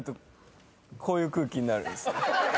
こういう空気になるんですね。